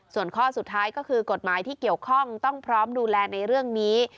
ส่วนข้อสุดท้ายก็คือกฎหมายที่เกี่ยวข้องต้องพร้อมดูแลในเรื่องนี้